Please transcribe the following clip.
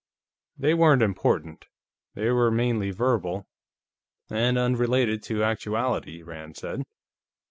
"They weren't important; they were mainly verbal, and unrelated to actuality," Rand said.